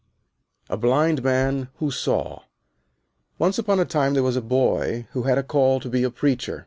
"_ A BLIND MAN WHO SAW Once upon a time there was a boy who had a call to be a preacher.